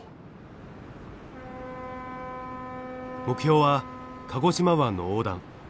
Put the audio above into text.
目標は鹿児島湾の横断。